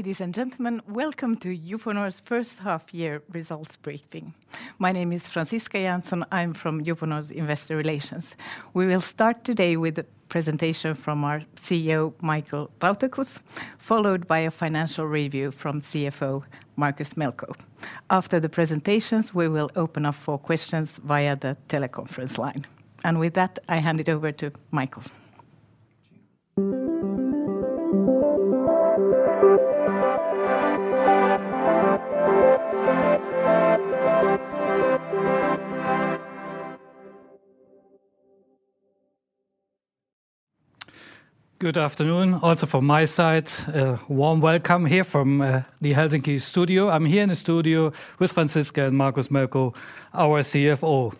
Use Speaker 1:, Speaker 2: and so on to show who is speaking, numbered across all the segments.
Speaker 1: Ladies and gentlemen, welcome to Uponor's first half-year results briefing. My name is Franciska Janzon. I'm from Uponor's Investor Relations. We will start today with a presentation from our CEO, Michael Rauterkus, followed by a financial review from CFO Markus Melkko. After the presentations, we will open up for questions via the teleconference line. With that, I hand it over to Michael.
Speaker 2: Good afternoon. Also from my side, a warm welcome here from the Helsinki studio. I'm here in the studio with Franciska and Markus Melkko, our CFO.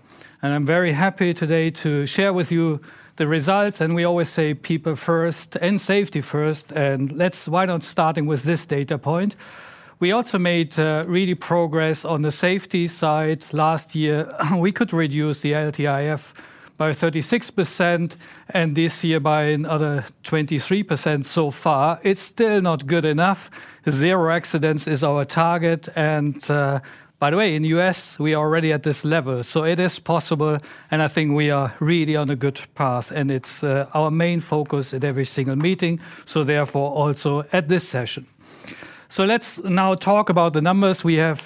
Speaker 2: I'm very happy today to share with you the results. We always say people first and safety first. Let's why not starting with this data point. We also made really progress on the safety side last year. We could reduce the LTIF by 36%, and this year by another 23% so far. It's still not good enough. Zero accidents is our target. By the way, in U.S. we are already at this level, so it is possible, and I think we are really on a good path. It's our main focus at every single meeting, so therefore, also at this session. Let's now talk about the numbers we have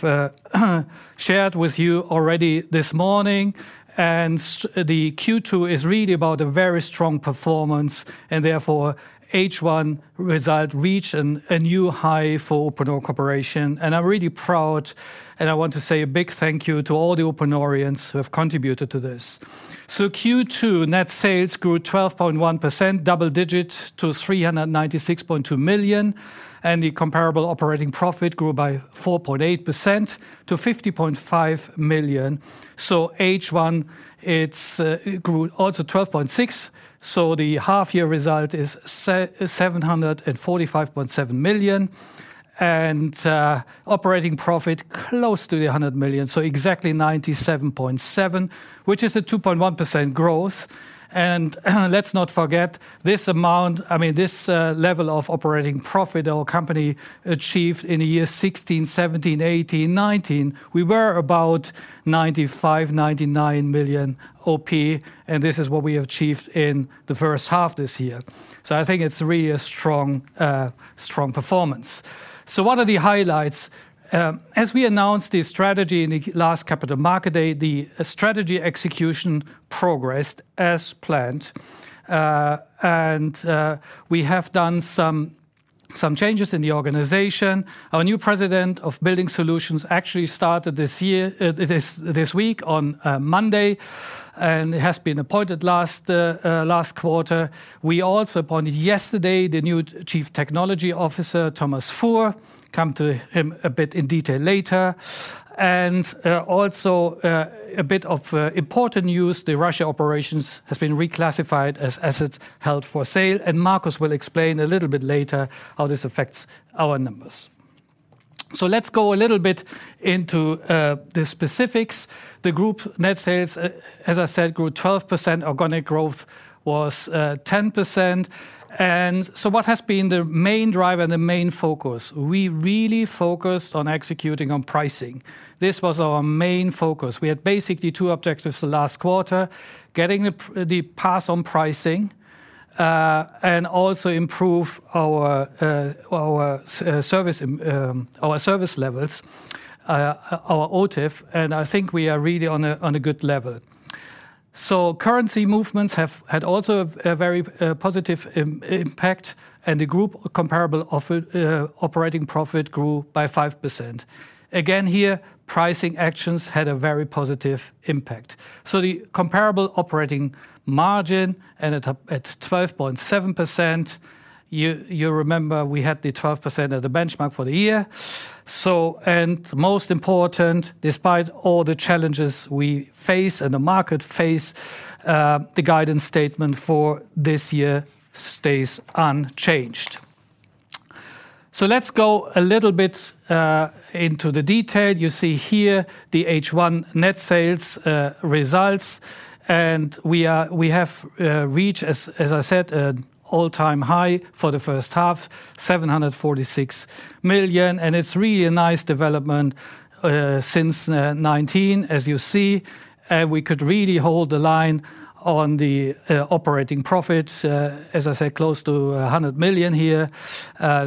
Speaker 2: shared with you already this morning. The Q2 is really about a very strong performance and therefore H1 result reached a new high for Uponor Corporation. I'm really proud, and I want to say a big thank you to all the Uponorians who have contributed to this. Q2 net sales grew 12.1%, double digit, to 396.2 million, and the comparable operating profit grew by 4.8% to 50.5 million. H1 grew also 12.6%. The half year result is 745.7 million. Operating profit close to 100 million, so exactly 97.7 million, which is a 2.1% growth. Let's not forget this amount, I mean, this level of operating profit our company achieved in the year 2016, 2017, 2018, 2019, we were about 95 million-99 million OP, and this is what we have achieved in the first half this year. I think it's really a strong performance. What are the highlights? As we announced the strategy in the last Capital Markets Day, the strategy execution progressed as planned. And we have done some changes in the organization. Our new President of Building Solutions actually started this year, this week on Monday, and he has been appointed last quarter. We also appointed yesterday the new Chief Technology Officer, Thomas Fuhr, come to him a bit in detail later. also, a bit of important news, the Russia operations has been reclassified as assets held for sale, and Markus will explain a little bit later how this affects our numbers. Let's go a little bit into the specifics. The group net sales, as I said, grew 12%. Organic growth was ten percent. What has been the main driver and the main focus? We really focused on executing on pricing. This was our main focus. We had basically two objectives the last quarter, getting the pass on pricing, and also improve our service, our service levels, our OTIF, and I think we are really on a good level. Currency movements have had also a very positive impact, and the group comparable operating profit grew by 5%. Again here, pricing actions had a very positive impact. The comparable operating margin ended up at 12.7%. You remember we had the 12% as the benchmark for the year. Most important, despite all the challenges we face and the market face, the guidance statement for this year stays unchanged. Let's go a little bit into the detail. You see here the H1 net sales results, and we have reached, as I said, an all-time high for the first half, 746 million. It's really a nice development since 2019, as you see. We could really hold the line on the operating profits, as I said, close to 100 million here. I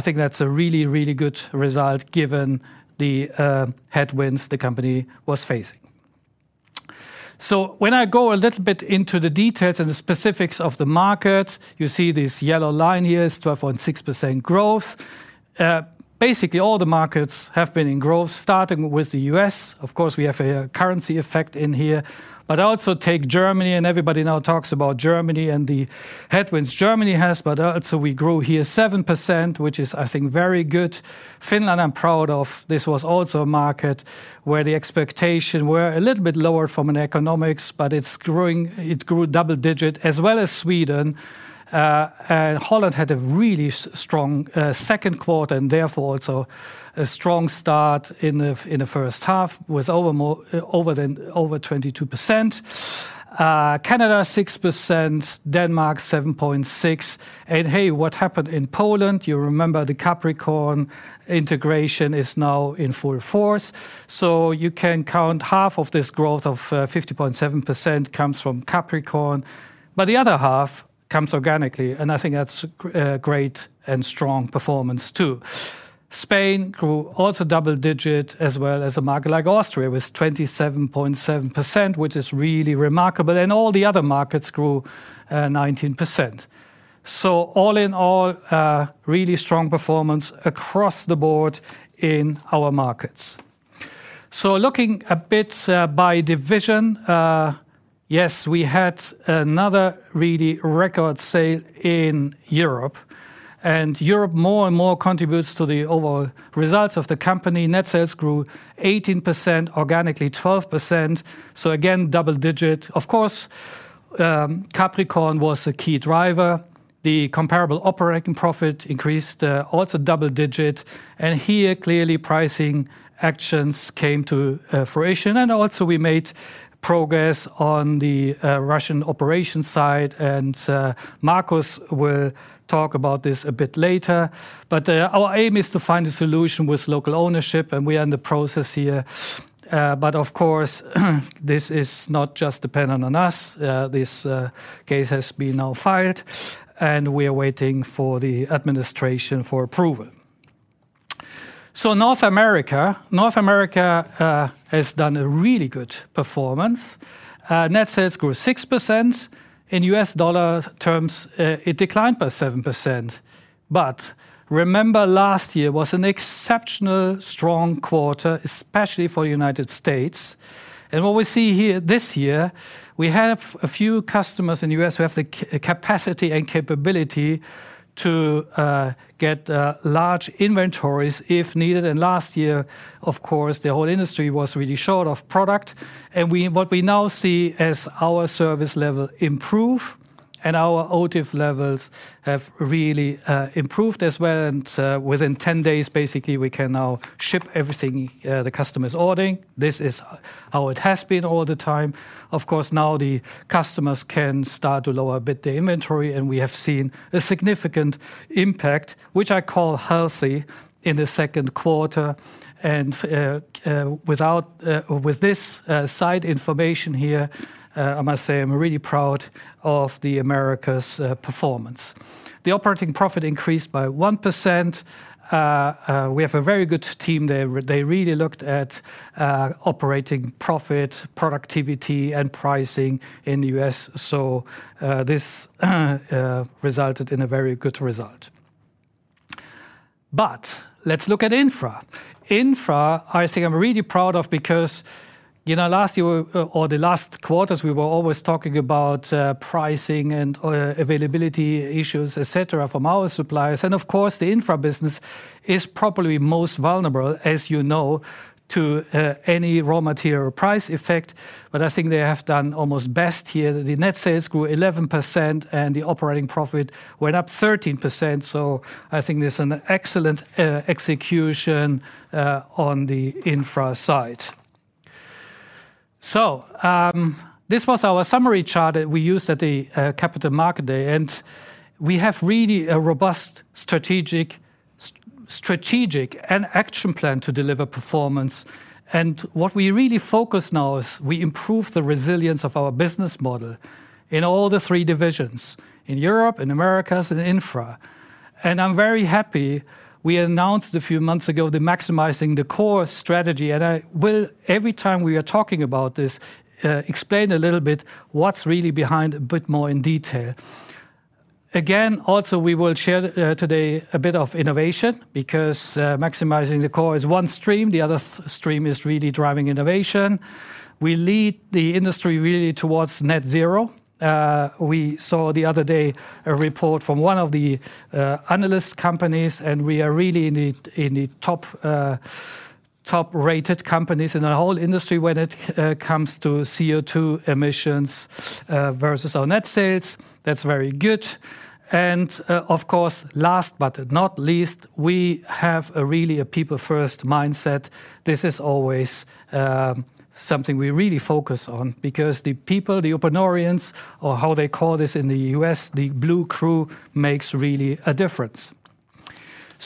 Speaker 2: think that's a really, really good result given the headwinds the company was facing. When I go a little bit into the details and the specifics of the market, you see this yellow line here is 12.6% growth. Basically all the markets have been in growth, starting with the US. Of course, we have a currency effect in here. Also take Germany, and everybody now talks about Germany and the headwinds Germany has, but so we grew here 7%, which is, I think, very good. Finland, I'm proud of. This was also a market where the expectation were a little bit lower from an economics, but it's growing. It grew double-digit, as well as Sweden. Holland had a really strong second quarter and therefore also a strong start in the first half with over 22%. Canada 6%, Denmark 7.6%. Hey, what happened in Poland? You remember the Capricorn integration is now in full force. You can count half of this growth of 50.7% comes from Capricorn, but the other half comes organically, and I think that's great and strong performance too. Spain grew also double-digit as well as a market like Austria with 27.7%, which is really remarkable. All the other markets grew 19%. All in all, really strong performance across the board in our markets. Looking a bit by division, yes, we had another really record sale in Europe. Europe more and more contributes to the overall results of the company. Net sales grew 18%, organically 12%, so again, double digit. Of course, Capricorn was a key driver. The comparable operating profit increased also double digit. Here, clearly pricing actions came to fruition. Also we made progress on the Russian operation side, and Markus will talk about this a bit later. Our aim is to find a solution with local ownership, and we are in the process here. Of course, this is not just dependent on us. This case has been now filed, and we are waiting for the administration for approval. North America. North America has done a really good performance. Net sales grew 6%. In US dollar terms, it declined by 7%. Remember last year was an exceptionally strong quarter, especially for United States. What we see here this year, we have a few customers in US who have the capacity and capability to get large inventories if needed. Last year, of course, the whole industry was really short of product. What we now see as our service level improve and our OTIF levels have really improved as well. Within 10 days, basically, we can now ship everything the customer is ordering. This is how it has been all the time. Of course, now the customers can start to lower a bit the inventory, and we have seen a significant impact, which I call healthy, in the second quarter. With this side information here, I must say I'm really proud of the Americas' performance. The operating profit increased by 1%. We have a very good team. They really looked at operating profit, productivity, and pricing in the U.S. This resulted in a very good result. Let's look at Infra. Infra, I think I'm really proud of because, you know, last year or the last quarters, we were always talking about pricing and availability issues, etc., from our suppliers. Of course, the Infra business is probably most vulnerable, as you know, to any raw material price effect. I think they have done almost best here. The net sales grew 11%, and the operating profit went up 13%. I think there's an excellent execution on the Infra side. This was our summary chart that we used at the Capital Markets Day, and we have really a robust strategic and action plan to deliver performance. What we really focus now is we improve the resilience of our business model in all the three divisions, in Europe, in Americas, in Infra. I'm very happy we announced a few months ago the maximizing the core strategy. I will, every time we are talking about this, explain a little bit what's really behind a bit more in detail. Again, also we will share today a bit of innovation because maximizing the core is one stream. The other stream is really driving innovation. We lead the industry really towards net zero. We saw the other day a report from one of the analyst companies, and we are really in the top-rated companies in the whole industry when it comes to CO2 emissions versus our net sales. That's very good. Of course, last but not least, we have really a people first mindset. This is always something we really focus on because the people, the Uponorians, or how they call this in the US, the Blue Crew, makes really a difference.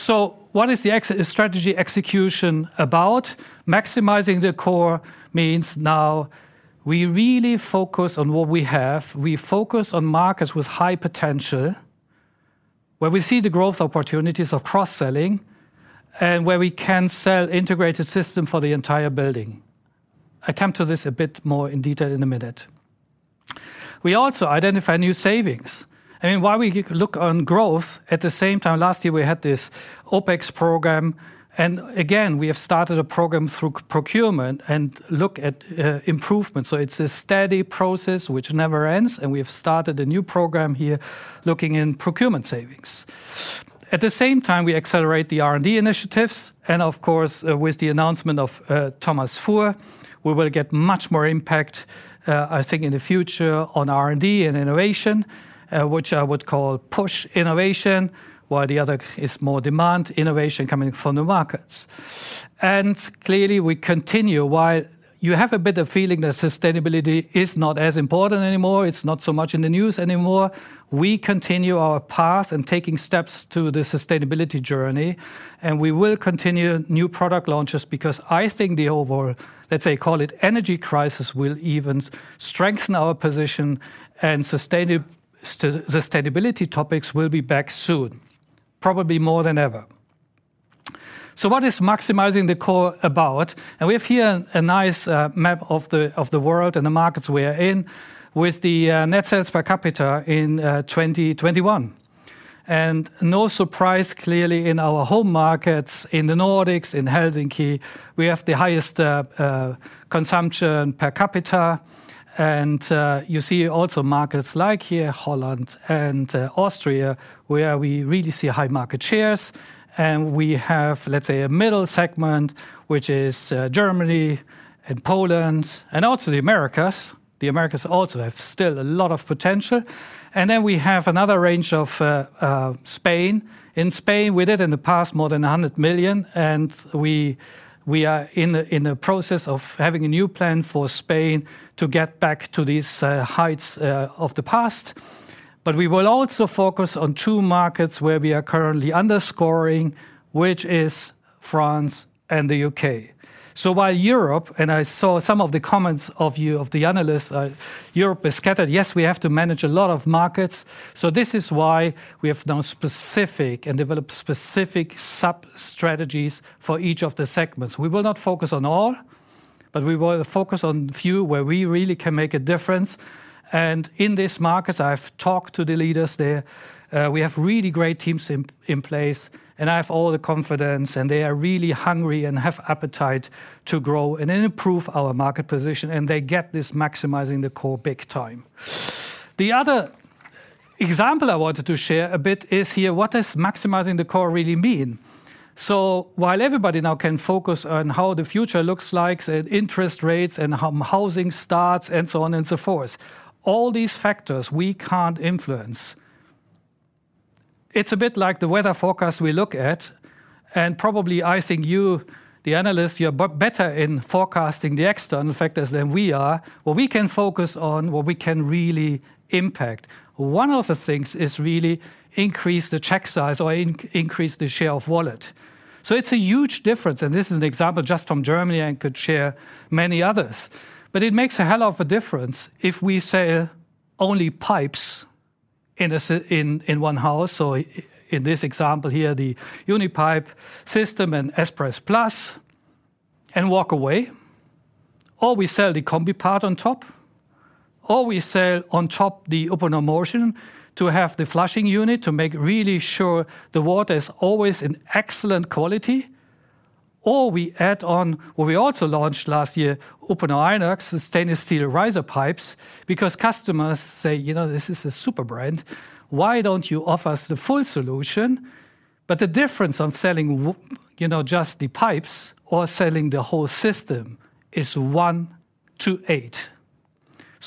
Speaker 2: What is the strategy execution about? Maximizing the core means now we really focus on what we have. We focus on markets with high potential, where we see the growth opportunities of cross-selling, and where we can sell integrated system for the entire building. I come to this a bit more in detail in a minute. We also identify new savings. I mean, while we look on growth, at the same time last year, we had this OpEx program, and again, we have started a program through procurement and look at improvement. It's a steady process which never ends, and we have started a new program here looking in procurement savings. At the same time, we accelerate the R&D initiatives, and of course, with the announcement of Thomas Fuhr, we will get much more impact, I think in the future on R&D and innovation, which I would call push innovation, while the other is more demand innovation coming from the markets. Clearly we continue while you have a better feeling that sustainability is not as important anymore, it's not so much in the news anymore, we continue our path in taking steps to the sustainability journey, and we will continue new product launches because I think the overall, let's say, call it energy crisis, will even strengthen our position and sustainability topics will be back soon, probably more than ever. What is maximizing the core about? We have here a nice map of the world and the markets we are in with the net sales per capita in 2021. No surprise, clearly in our home markets, in the Nordics, in Helsinki, we have the highest consumption per capita. You see also markets like here, Holland and Austria, where we really see high market shares. We have, let's say, a middle segment, which is Germany and Poland and also the Americas. The Americas also have still a lot of potential. We have another range of Spain. In Spain, we did in the past more than 100 million, and we are in a process of having a new plan for Spain to get back to these heights of the past. We will also focus on two markets where we are currently underscoring, which is France and the UK. While Europe, and I saw some of the comments of you, of the analysts, Europe is scattered. Yes, we have to manage a lot of markets, so this is why we have done specific and developed specific sub-strategies for each of the segments. We will not focus on all, but we will focus on few where we really can make a difference. In these markets, I've talked to the leaders there, we have really great teams in place, and I have all the confidence, and they are really hungry and have appetite to grow and then improve our market position, and they get this maximizing the core big time. The other example I wanted to share a bit is here. What does maximizing the core really mean? While everybody now can focus on how the future looks like, the interest rates and how housing starts and so on and so forth, all these factors we can't influence. It's a bit like the weather forecast we look at, and probably I think you, the analysts, you are better in forecasting the external factors than we are, but we can focus on what we can really impact. One of the things is really increase the check size or increase the share of wallet. It's a huge difference, and this is an example just from Germany. I could share many others. It makes a hell of a difference if we sell only pipes in one house. In this example here, the Uponor Uni Pipe PLUS system and Uponor S-Press PLUS, and walk away. Or we sell the Uponor Combi Port on top, or we sell on top the Uponor Motion to have the flushing unit to make really sure the water is always in excellent quality. Or we add on, what we also launched last year, Uponor INOX, the stainless steel riser pipes, because customers say, "You know, this is a super brand. Why don't you offer us the full solution?" The difference on selling you know, just the pipes or selling the whole system is one to eight.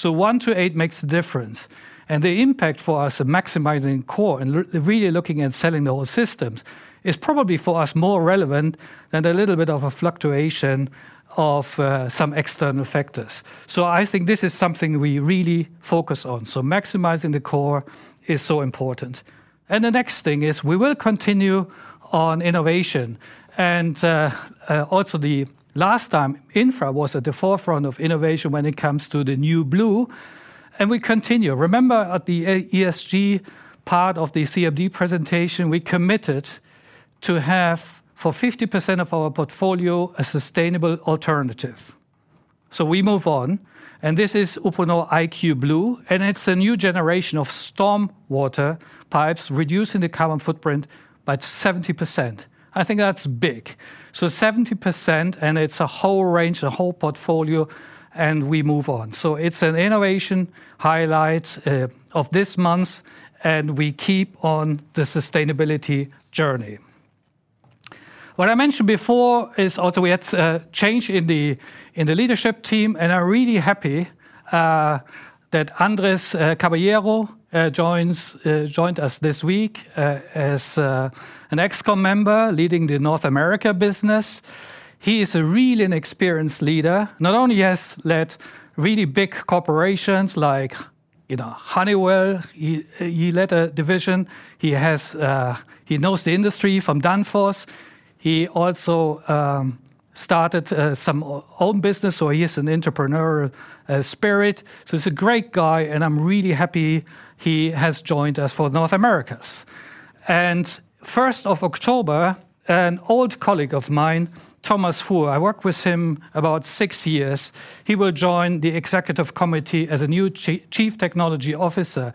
Speaker 2: One to eight makes a difference. The impact for us of maximizing core and really looking at selling the whole systems is probably for us more relevant than the little bit of a fluctuation of some external factors. I think this is something we really focus on. Maximizing the core is so important. The next thing is we will continue on innovation. Also the last time Infra was at the forefront of innovation when it comes to IQ Blue, and we continue. Remember at the ESG part of the CMD presentation, we committed to have for 50% of our portfolio a sustainable alternative. We move on, and this is Uponor IQ Blue, and it's a new generation of stormwater pipes reducing the carbon footprint by 70%. I think that's big. 70%, and it's a whole range, a whole portfolio, and we move on. It's an innovation highlight of this month, and we keep on the sustainability journey. What I mentioned before is also we had a change in the leadership team, and I'm really happy that Andres Caballero joined us this week as an ExCo member leading the North America business. He is really an experienced leader, not only has led really big corporations like, you know, Honeywell. He led a division. He knows the industry from Danfoss. He also started some own business, so he is an entrepreneur spirit. He's a great guy, and I'm really happy he has joined us for North America. First of October, an old colleague of mine, Thomas Fuhr, I worked with him about six years. He will join the executive committee as a new Chief Technology Officer.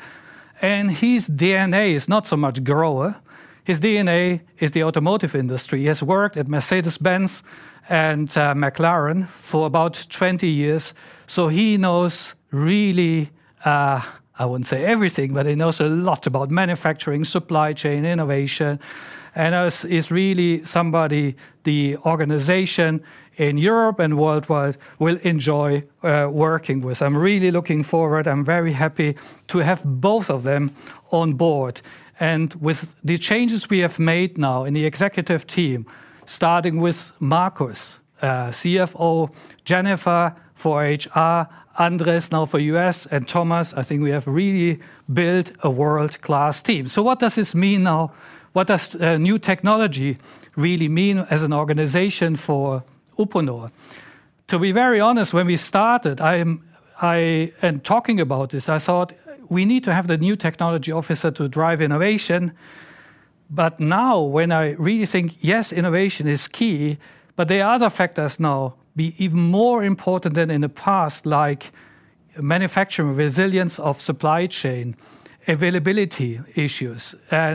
Speaker 2: His DNA is not so much grower. His DNA is the automotive industry. He has worked at Mercedes-Benz and McLaren for about 20 years, so he knows really, I wouldn't say everything, but he knows a lot about manufacturing, supply chain, innovation, and knows is really somebody the organization in Europe and worldwide will enjoy working with. I'm really looking forward, I'm very happy to have both of them on board. With the changes we have made now in the executive team, starting with Markus, CFO, Jennifer for HR, Andres now for US, and Thomas, I think we have really built a world-class team. What does this mean now? What does new technology really mean as an organization for Uponor? To be very honest, when we started, in talking about this, I thought, "We need to have the new technology officer to drive innovation." Now, when I really think, yes, innovation is key, but there are other factors now even more important than in the past, like manufacturing resilience of supply chain, availability issues. I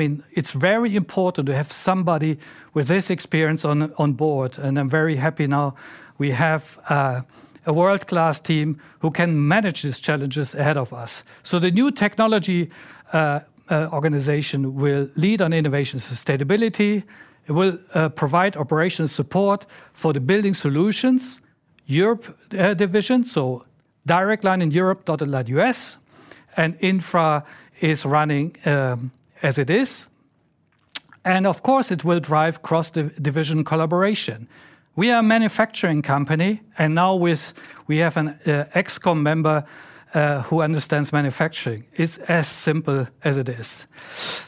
Speaker 2: mean, it's very important to have somebody with this experience on board, and I'm very happy now we have a world-class team who can manage these challenges ahead of us. The new technology organization will lead on innovation sustainability. It will provide operational support for the Building Solutions Europe division, so direct line in Europe, dotted line U.S., and Infra is running as it is. Of course, it will drive cross-divisional collaboration. We are a manufacturing company, and now we have an ExCo member who understands manufacturing. It's as simple as it is.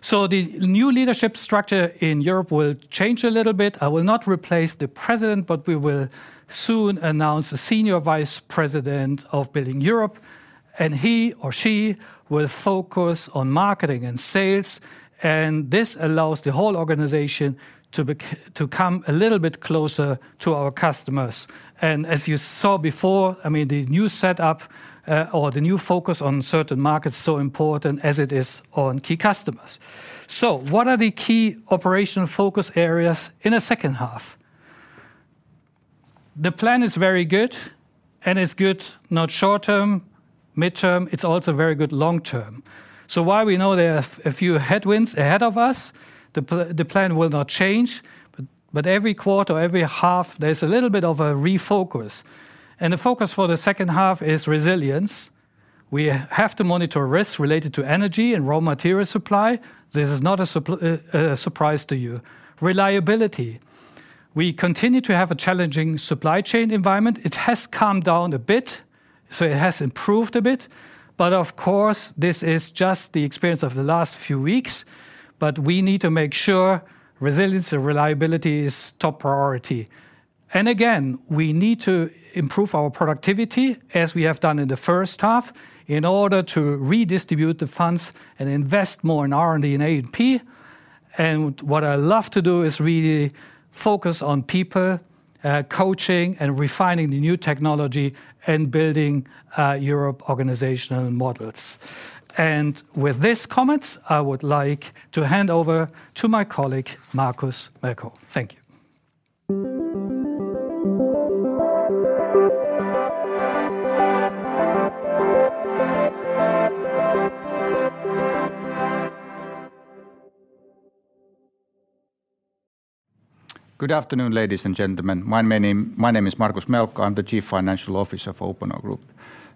Speaker 2: The new leadership structure in Europe will change a little bit. I will not replace the president, but we will soon announce a senior vice president of Building Solutions – Europe, and he or she will focus on marketing and sales. This allows the whole organization to come a little bit closer to our customers. As you saw before, I mean, the new setup or the new focus on certain markets so important as it is on key customers. What are the key operational focus areas in the second half? The plan is very good, and it's good not short-term, mid-term, it's also very good long-term. While we know there are a few headwinds ahead of us, the plan will not change. Every quarter, every half, there's a little bit of a refocus. The focus for the second half is resilience. We have to monitor risks related to energy and raw material supply. This is not a surprise to you. Reliability. We continue to have a challenging supply chain environment. It has calmed down a bit, so it has improved a bit. Of course, this is just the experience of the last few weeks. We need to make sure resilience and reliability is top priority. Again, we need to improve our productivity, as we have done in the first half, in order to redistribute the funds and invest more in R&D and A&P. What I love to do is really focus on people, coaching, and refining the new technology, and building European organizational models. With these comments, I would like to hand over to my colleague, Markus Melkko. Thank you.
Speaker 3: Good afternoon, ladies and gentlemen. My name is Markus Melkko. I'm the Chief Financial Officer of Uponor Group.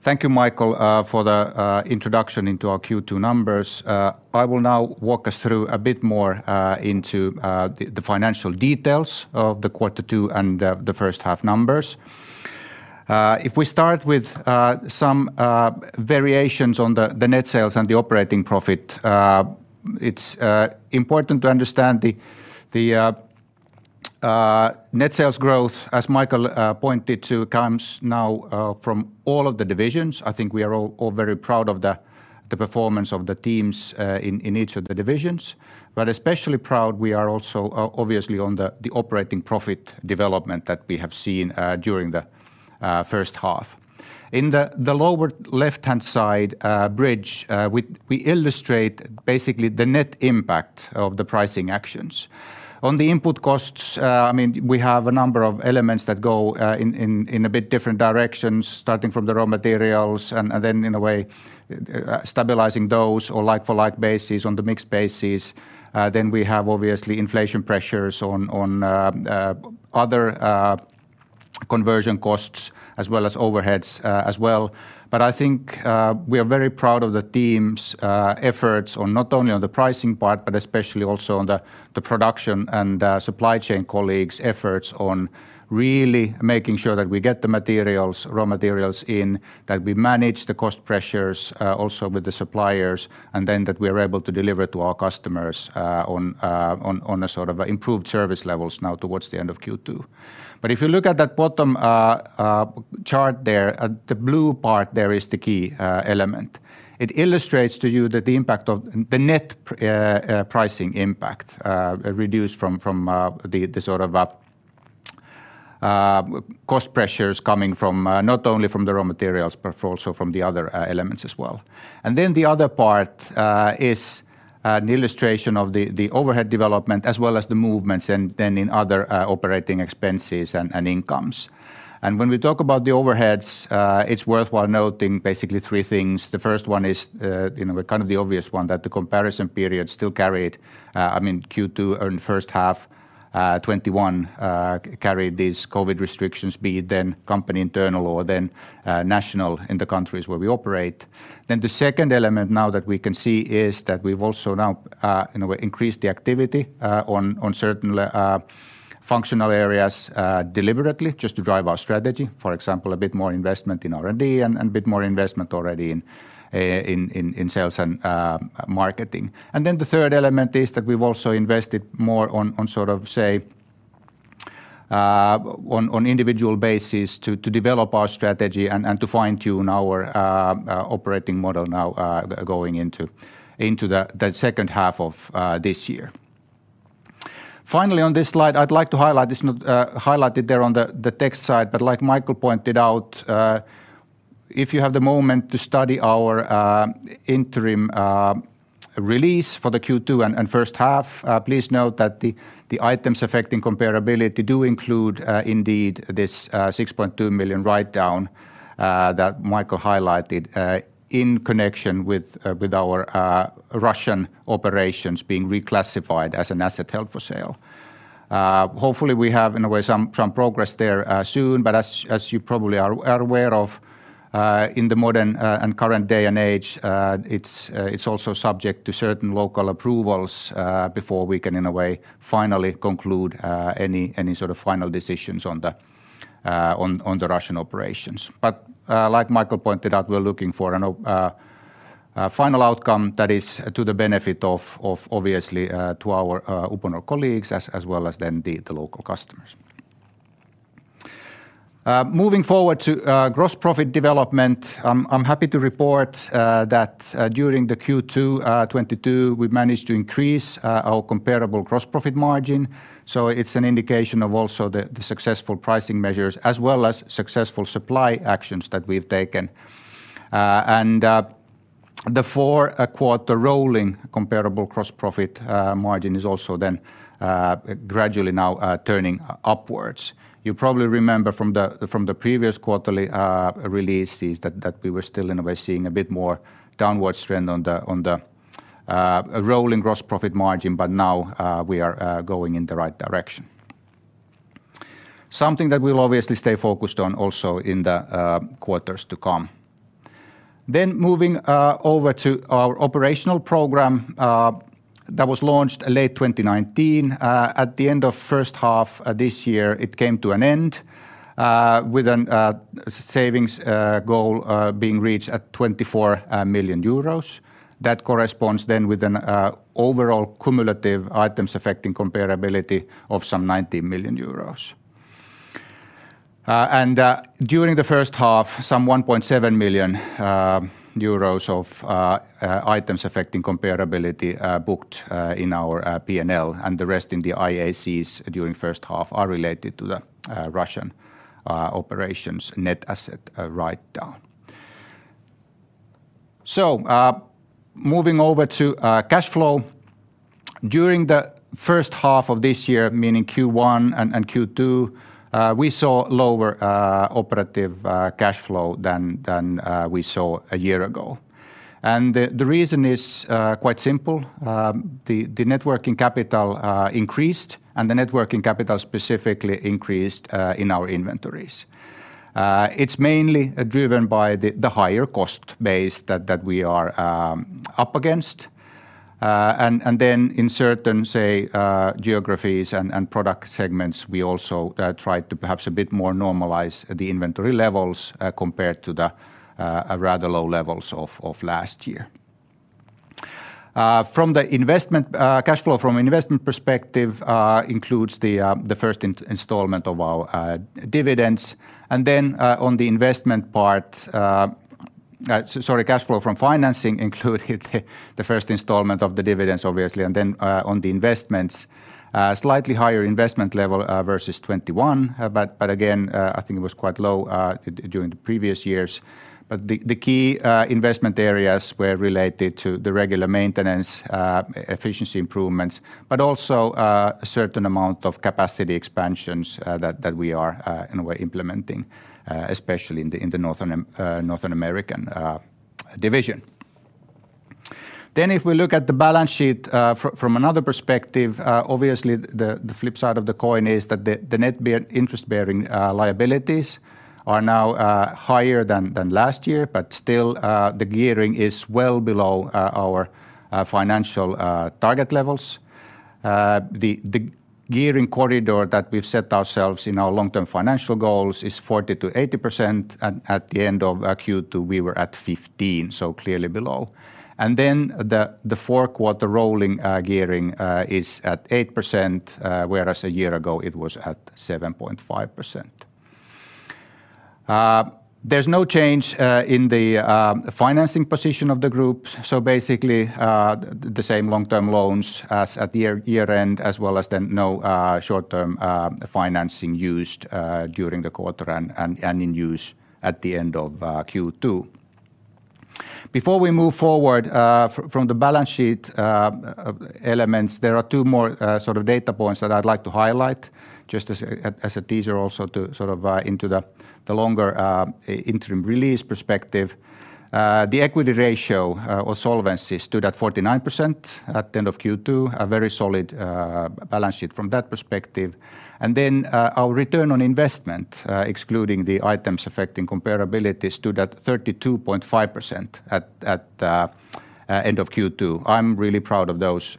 Speaker 3: Thank you, Michael, for the introduction into our Q2 numbers. I will now walk us through a bit more into the financial details of the Quarter two and the first half numbers. If we start with some variations on the net sales and the operating profit, it's important to understand the net sales growth, as Michael pointed to, comes now from all of the divisions. I think we are all very proud of the performance of the teams in each of the divisions. Especially proud, we are also obviously on the operating profit development that we have seen during the first half. In the lower left-hand side bridge, we illustrate basically the net impact of the pricing actions. On the input costs, I mean, we have a number of elements that go in a bit different directions, starting from the raw materials and then in a way stabilizing those or like-for-like basis on the mixed basis. We have obviously inflation pressures on other conversion costs as well as overheads as well. I think we are very proud of the teams' efforts on not only the pricing part, but especially also on the production and supply chain colleagues' efforts on really making sure that we get the materials, raw materials in, that we manage the cost pressures also with the suppliers, and then that we are able to deliver to our customers on a sort of improved service levels now towards the end of Q2. If you look at that bottom chart there, the blue part there is the key element. It illustrates to you that the impact of the net pricing impact reduced from the sort of cost pressures coming from not only from the raw materials, but also from the other elements as well. Then the other part is an illustration of the overhead development as well as the movements and then in other operating expenses and incomes. When we talk about the overheads, it's worthwhile noting basically three things. The first one is you know kind of the obvious one, that the comparison period still carried I mean Q2 in first half 2021 carried these COVID restrictions, be it then company internal or then national in the countries where we operate. The second element now that we can see is that we've also now in a way increased the activity on certain functional areas deliberately just to drive our strategy. For example, a bit more investment in R&D and bit more investment already in sales and marketing. Then the third element is that we've also invested more on sort of, say, on individual basis to develop our strategy and to fine-tune our operating model now going into the second half of this year. Finally, on this slide, I'd like to highlight. It's not highlighted there on the text side, but like Michael pointed out, if you have the moment to study our interim release for the Q2 and first half, please note that the items affecting comparability do include indeed this 6.2 million write-down that Michael highlighted in connection with our Russian operations being reclassified as an asset held for sale. Hopefully we have, in a way, some progress there soon, but as you probably are aware of in the modern and current day and age, it's also subject to certain local approvals before we can, in a way, finally conclude any sort of final decisions on the Russian operations. Like Michael pointed out, we're looking for a final outcome that is to the benefit of obviously to our Uponor colleagues as well as then the local customers. Moving forward to gross profit development, I'm happy to report that during Q2 2022 we managed to increase our comparable gross profit margin, so it's an indication of the successful pricing measures as well as successful supply actions that we've taken. The four-quarter rolling comparable gross profit margin is also then gradually now turning upwards. You probably remember from the previous quarterly releases that we were still in a way seeing a bit more downward trend on the rolling gross profit margin, but now we are going in the right direction. Something that we'll obviously stay focused on also in the quarters to come. Moving over to our operational program that was launched late 2019 at the end of first half this year, it came to an end with a savings goal being reached at 24 million euros. That corresponds then with an overall cumulative Items Affecting Comparability of some 90 million euros. During the first half, some 1.7 million euros of items affecting comparability are booked in our P&L, and the rest in the IACs during first half are related to the Russian operations net asset write-down. Moving over to cash flow, during the first half of this year, meaning Q1 and Q2, we saw lower operating cash flow than we saw a year ago. The reason is quite simple. The net working capital increased, and the net working capital specifically increased in our inventories. It's mainly driven by the higher cost base that we are up against. In certain, say, geographies and product segments, we also try to perhaps a bit more normalize the inventory levels compared to the rather low levels of last year. From the investment cash flow from investment perspective, includes the first installment of our dividends. Then on the investment part, cash flow from financing included the first installment of the dividends obviously, and then on the investments, slightly higher investment level versus 2021, but again, I think it was quite low during the previous years. The key investment areas were related to the regular maintenance, efficiency improvements, but also a certain amount of capacity expansions that we are in a way implementing, especially in the North American division. If we look at the balance sheet from another perspective, obviously the flip side of the coin is that the net interest-bearing liabilities are now higher than last year, but still the gearing is well below our financial target levels. The gearing corridor that we've set ourselves in our long-term financial goals is 40%-80%, and at the end of Q2, we were at 15%, so clearly below. Then the four-quarter rolling gearing is at 8%, whereas a year ago, it was at 7.5%. There's no change in the financing position of the group, so basically, the same long-term loans as at the year-end, as well as then no short-term financing used during the quarter and in use at the end of Q2. Before we move forward from the balance sheet elements, there are two more sort of data points that I'd like to highlight just as a teaser also to sort of into the longer interim release perspective. The equity ratio or solvency stood at 49% at the end of Q2, a very solid balance sheet from that perspective. Our return on investment, excluding the Items Affecting Comparability stood at 32.5% at end of Q2. I'm really proud of those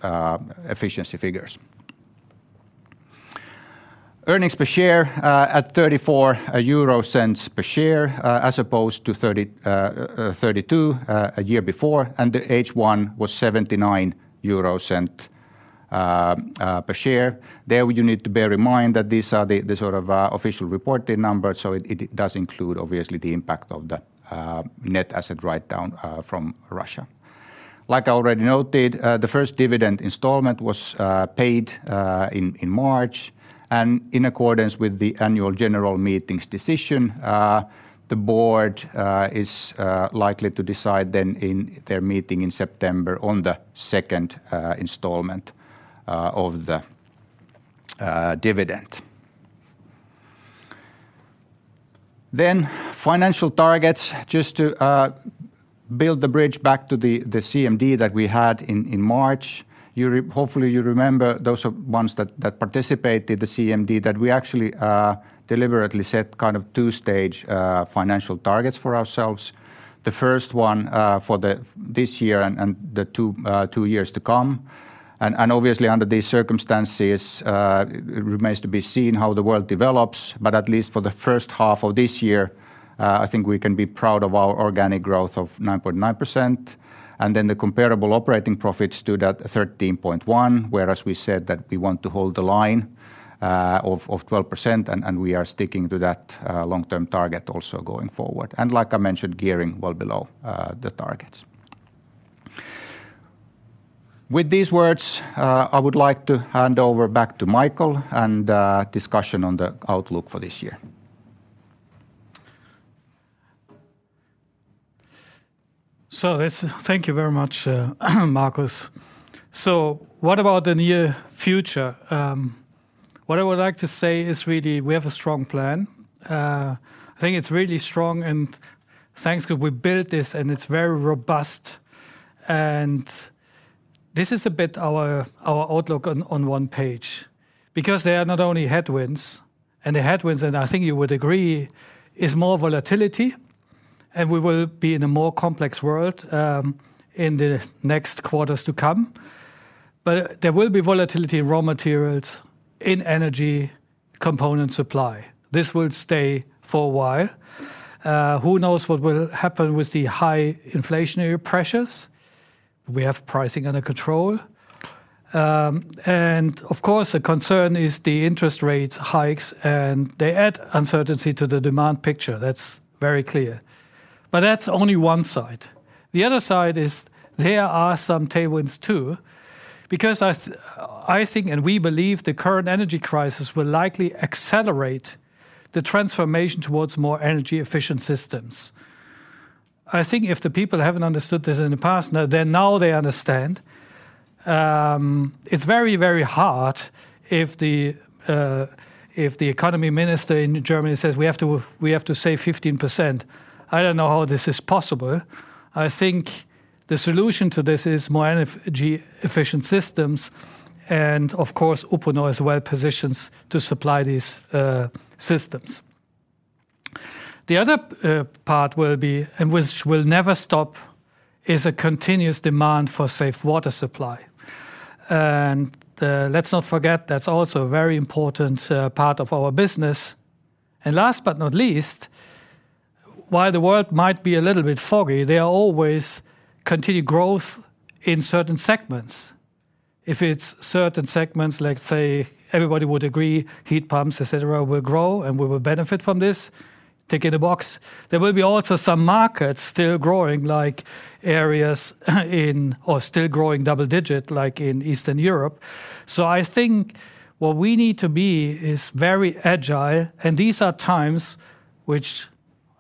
Speaker 3: efficiency figures. Earnings per share at 0.34 per share, as opposed to 0.32 a year before, and the H1 was 0.79 per share. There you need to bear in mind that these are the sort of official reported numbers, so it does include obviously the impact of the net asset write down from Russia. Like I already noted, the first dividend installment was paid in March, and in accordance with the annual general meeting's decision, the board is likely to decide then in their meeting in September on the second installment of the dividend. Financial targets, just to build the bridge back to the CMD that we had in March. Hopefully you remember those ones that participated in the CMD, that we actually deliberately set kind of two-stage financial targets for ourselves. The first one for this year and the two years to come. Obviously under these circumstances, it remains to be seen how the world develops, but at least for the first half of this year, I think we can be proud of our organic growth of 9.9%. Then the comparable operating profit stood at 13.1%, whereas we said that we want to hold the line of 12%, and we are sticking to that long-term target also going forward. Like I mentioned, gearing well below the targets. With these words, I would like to hand over back to Michael and discussion on the outlook for this year.
Speaker 2: Thank you very much, Markus. What about the near future? What I would like to say is really we have a strong plan. I think it's really strong, and thanks because we built this and it's very robust. This is a bit our outlook on one page because there are not only headwinds, and I think you would agree, is more volatility and we will be in a more complex world, in the next quarters to come. There will be volatility in raw materials, in energy component supply. This will stay for a while. Who knows what will happen with the high inflationary pressures. We have pricing under control. Of course, the concern is the interest rates hikes, and they add uncertainty to the demand picture. That's very clear. That's only one side. The other side is there are some tailwinds too, because I think, and we believe the current energy crisis will likely accelerate the transformation towards more energy efficient systems. I think if the people haven't understood this in the past, now, then now they understand. It's very, very hard if the economy minister in Germany says, "We have to save 15%." I don't know how this is possible. I think the solution to this is more energy efficient systems, and of course, Uponor is well-positioned to supply these systems. The other part will be, and which will never stop, is a continuous demand for safe water supply. Let's not forget that's also a very important part of our business. Last but not least, while the world might be a little bit foggy, there are always continued growth in certain segments. If it's certain segments, like say everybody would agree, heat pumps, et cetera, will grow and we will benefit from this. Tick in the box. There will be also some markets still growing like Asia or still growing double-digit like in Eastern Europe. I think what we need to be is very agile, and these are times which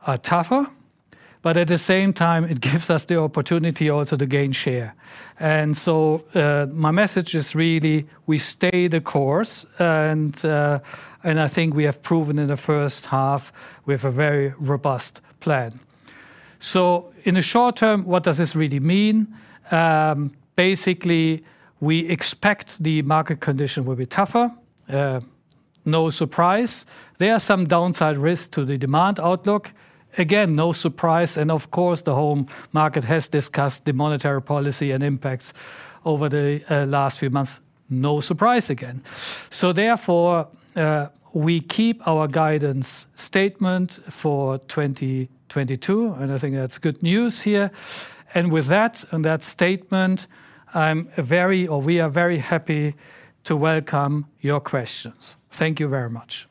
Speaker 2: are tougher, but at the same time it gives us the opportunity also to gain share. My message is really we stay the course and I think we have proven in the first half we have a very robust plan. In the short term, what does this really mean? Basically, we expect the market condition will be tougher. No surprise. There are some downside risks to the demand outlook. Again, no surprise. Of course, the home market has discussed the monetary policy and impacts over the last few months. No surprise again. Therefore, we keep our guidance statement for 2022, and I think that's good news here. With that and that statement, I'm very, or we are very happy to welcome your questions. Thank you very much.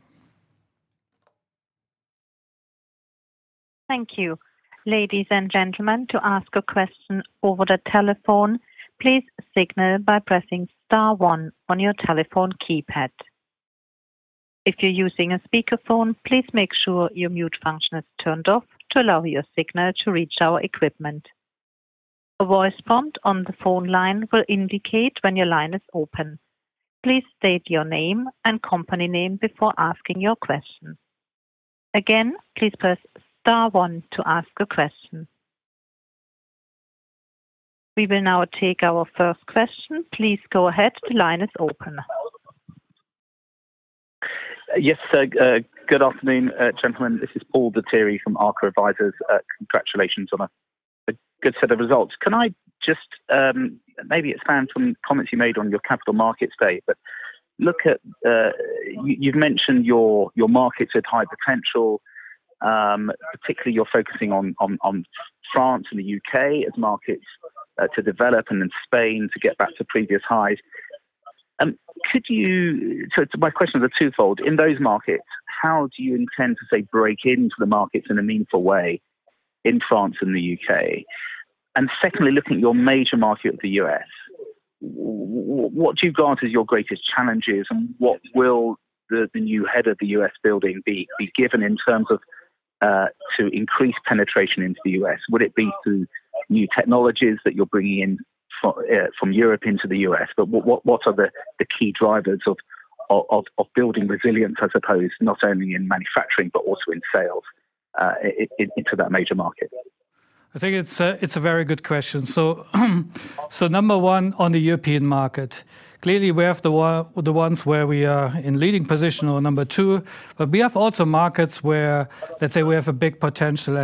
Speaker 4: Thank you. Ladies and gentlemen, to ask a question over the telephone, please signal by pressing star one on your telephone keypad. If you're using a speakerphone, please make sure your mute function is turned off to allow your signal to reach our equipment. A voice prompt on the phone line will indicate when your line is open. Please state your name and company name before asking your question. Again, please press star one to ask a question. We will now take our first question. Please go ahead. The line is open.
Speaker 5: Yes. Good afternoon, gentlemen. This is Paul De Terry from Arca Advisors. Congratulations on a good set of results. Can I just maybe expand on comments you made on your Capital Markets Day, but look at you've mentioned your markets with high potential, particularly you're focusing on France and the UK as markets to develop and then Spain to get back to previous highs. My question is a twofold. In those markets, how do you intend to say break into the markets in a meaningful way in France and the UK? And secondly, looking at your major market, the US, what do you see as your greatest challenges, and what will the new head of the US Building Solutions be given in terms of to increase penetration into the US? Would it be through new technologies that you're bringing in from Europe into the U.S., but what are the key drivers of building resilience, I suppose, not only in manufacturing but also in sales into that major market?
Speaker 2: I think it's a very good question. Number one on the European market. Clearly, we have the ones where we are in leading position or number two, but we have also markets where, let's say we have a big potential.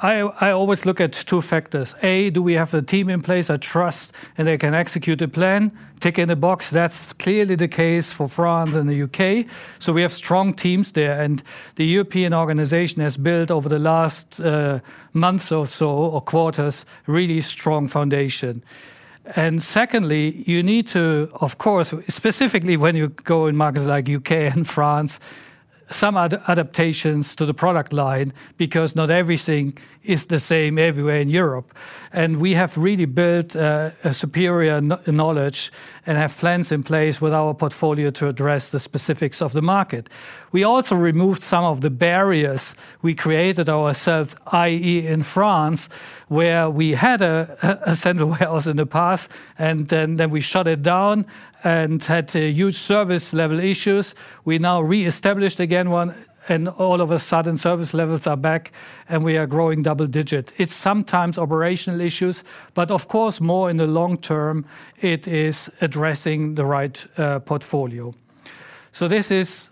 Speaker 2: I always look at two factors. A, do we have the team in place I trust, and they can execute a plan? Tick in the box. That's clearly the case for France and the UK. We have strong teams there. The European organization has built over the last months or so or quarters, really strong foundation. Secondly, you need to, of course, specifically when you go in markets like UK and France, some adaptations to the product line because not everything is the same everywhere in Europe. We have really built a superior knowledge and have plans in place with our portfolio to address the specifics of the market. We also removed some of the barriers we created ourselves, i.e. in France, where we had a central warehouse in the past, and then we shut it down and had huge service level issues. We now reestablished again one, and all of a sudden service levels are back, and we are growing double-digit. It's sometimes operational issues, but of course more in the long term it is addressing the right portfolio. This is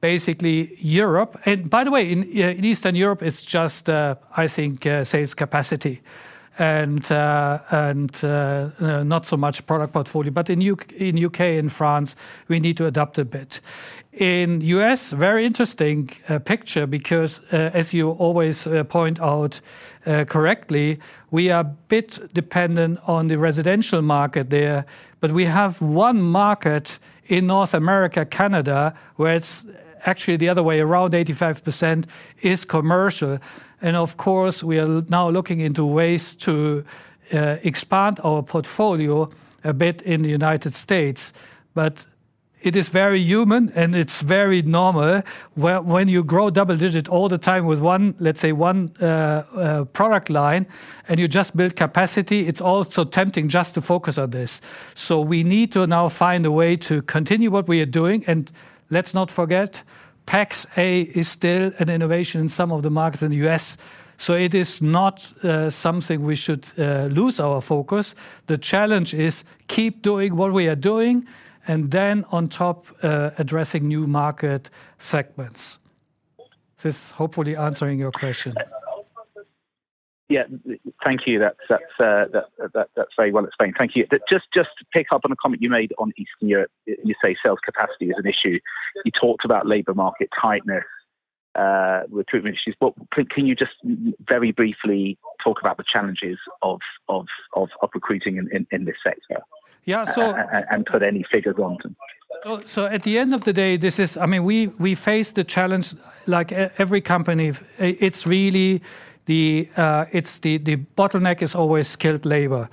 Speaker 2: basically Europe. By the way, in Eastern Europe it's just I think sales capacity and not so much product portfolio. In UK and France, we need to adapt a bit. In the U.S., very interesting picture because, as you always point out correctly, we are a bit dependent on the residential market there. We have one market in North America, Canada, where it's actually the other way around 85% is commercial. Of course, we are now looking into ways to expand our portfolio a bit in the United States. It is very human and it's very normal when you grow double-digit all the time with one product line and you just build capacity, it's also tempting just to focus on this. We need to now find a way to continue what we are doing. Let's not forget, PEX-a is still an innovation in some of the markets in the U.S., so it is not something we should lose our focus. The challenge is keep doing what we are doing and then on top, addressing new market segments. This hopefully answering your question.
Speaker 5: Yeah. Thank you. That's very well explained. Thank you. Just to pick up on a comment you made on Eastern Europe, you say sales capacity is an issue. You talked about labor market tightness, recruitment issues. Can you just very briefly talk about the challenges of recruiting in this sector?
Speaker 2: Yeah.
Speaker 5: Put any figures on them.
Speaker 2: At the end of the day, I mean, we face the challenge like every company. It's really the bottleneck is always skilled labor.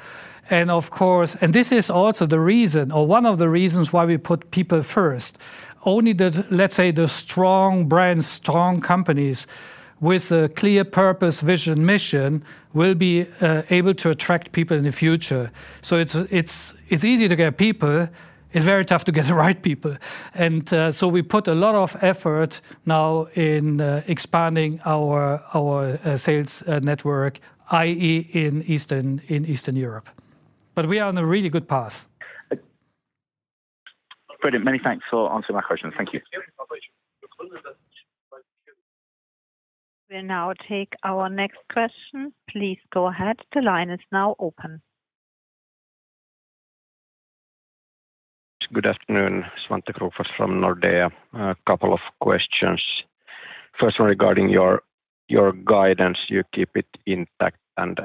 Speaker 2: This is also the reason or one of the reasons why we put people first. Only the, let's say, strong brands, strong companies with a clear purpose, vision, mission will be able to attract people in the future. It's easy to get people. It's very tough to get the right people. We put a lot of effort now in expanding our sales network, i.e., in Eastern Europe. We are on a really good path.
Speaker 5: Brilliant. Many thanks for answering my question. Thank you.
Speaker 4: We'll now take our next question. Please go ahead. The line is now open.
Speaker 6: Good afternoon. Svante Krokfors from SEB. A couple of questions. First one regarding your guidance. You keep it intact and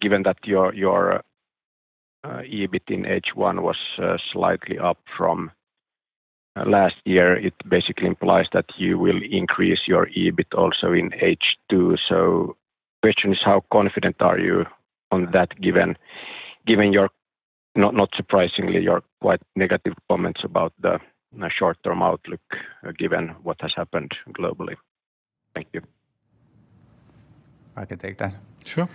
Speaker 6: given that your EBIT in H1 was slightly up from last year it basically implies that you will increase your EBIT also in H2. Question is how confident are you on that given your not surprisingly your quite negative comments about the short-term outlook given what has happened globally? Thank you.
Speaker 3: I can take that.
Speaker 2: Sure.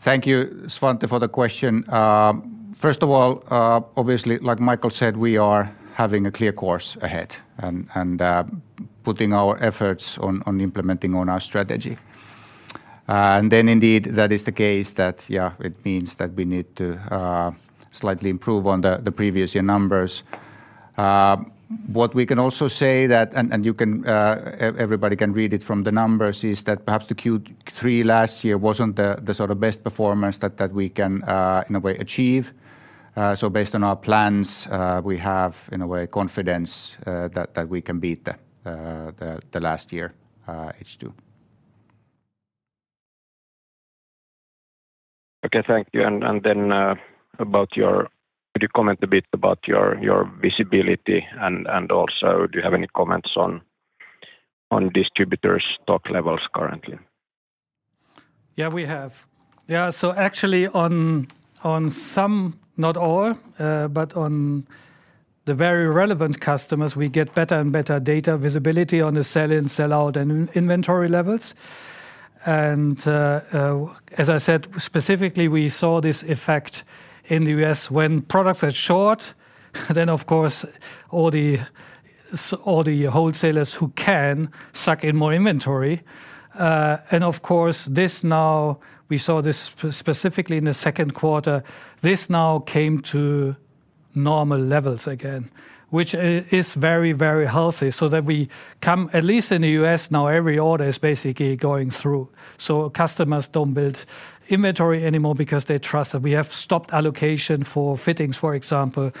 Speaker 3: Thank you, Svante, for the question. Obviously like Michael said, we are having a clear course ahead and putting our efforts on implementing on our strategy. Indeed that is the case that, yeah, it means that we need to slightly improve on the previous year numbers. What we can also say that, and you can, everybody can read it from the numbers is that perhaps the Q3 last year wasn't the sort of best performance that we can in a way achieve. Based on our plans, we have in a way confidence that we can beat the last year H2.
Speaker 6: Okay. Thank you. Could you comment a bit about your visibility and also do you have any comments on distributors' stock levels currently?
Speaker 2: Yeah, we have. Yeah. Actually on some, not all, but on the very relevant customers we get better and better data visibility on the sell-in and sell-out and inventory levels. As I said, specifically we saw this effect in the US when products are short, then of course all the wholesalers who can suck in more inventory. Of course this now we saw this specifically in the second quarter, this now came to normal levels again, which is very, very healthy. That we come at least in the US now every order is basically going through. Customers don't build inventory anymore because they trust that we have stopped allocation for fittings, for example.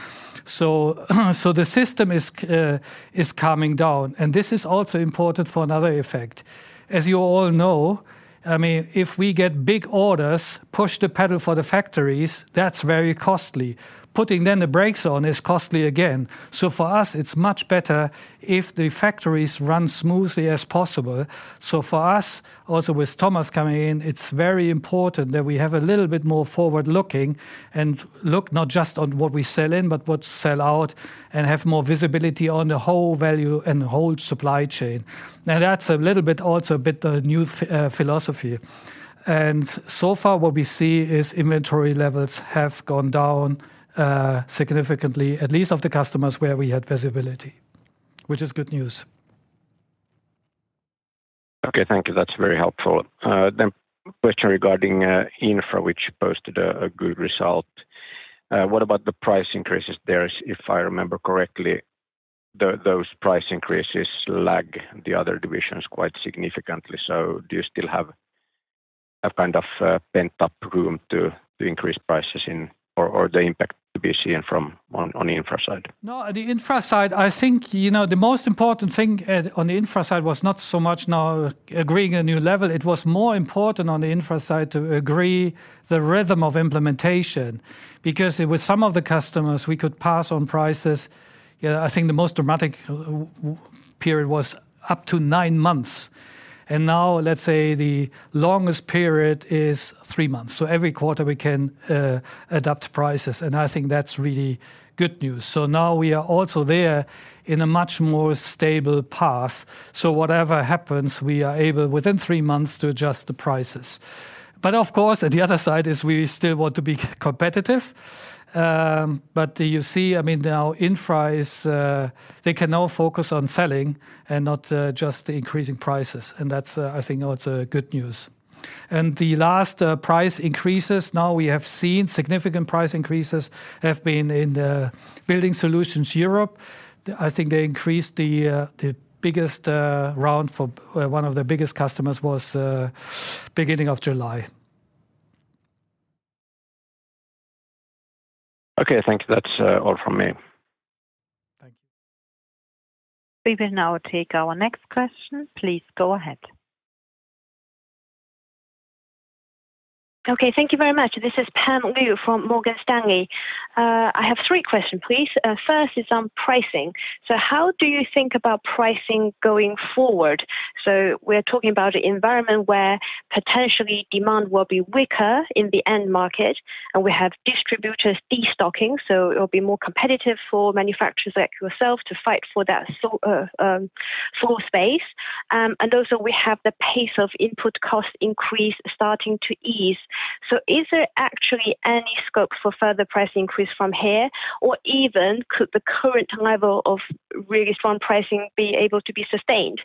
Speaker 2: The system is calming down and this is also important for another effect. As you all know, I mean, if we get big orders, push the pedal for the factories, that's very costly. Putting then the brakes on is costly again. For us it's much better if the factories run smoothly as possible. For us also with Thomas coming in it's very important that we have a little bit more forward looking and look not just on what we sell in, but what sell out and have more visibility on the whole value and the whole supply chain. Now that's a little bit also a new philosophy. So far what we see is inventory levels have gone down significantly at least of the customers where we had visibility, which is good news.
Speaker 6: Okay. Thank you. That's very helpful. Question regarding Infra, which posted a good result. What about the price increases there? If I remember correctly, those price increases lag the other divisions quite significantly. Do you still have a kind of pent-up room to increase prices in or the impact to be seen from now on the Infra side?
Speaker 2: No, the Infra side, I think, you know, the most important thing on the Infra side was not so much now agreeing a new level. It was more important on the Infra side to agree the rhythm of implementation. Because it was some of the customers we could pass on prices. Yeah, I think the most dramatic period was up to nine months, and now let's say the longest period is three months. Every quarter we can adapt prices, and I think that's really good news. Now we are also there in a much more stable path. Whatever happens, we are able within three months to adjust the prices. Of course, at the other side is we still want to be competitive. You see, I mean, now Infra is, they can now focus on selling and not just increasing prices. That's, I think, also good news. The last price increases now we have seen significant price increases have been in the Building Solutions Europe. I think they increased the biggest round for one of the biggest customers was beginning of July.
Speaker 6: Okay. Thank you. That's all from me.
Speaker 2: Thank you.
Speaker 4: We will now take our next question. Please go ahead.
Speaker 7: Okay. Thank you very much. This is Pam Wu from Morgan Stanley. I have three questions, please. First is on pricing. How do you think about pricing going forward? We're talking about environment where potentially demand will be weaker in the end market, and we have distributors destocking, so it'll be more competitive for manufacturers like yourself to fight for that floor space. Also we have the pace of input cost increase starting to ease. Is there actually any scope for further price increase from here? Or even could the current level of really strong pricing be able to be sustained?